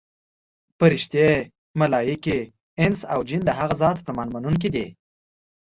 فرښتې، ملایکې، انس او جن د هغه ذات فرمان منونکي دي.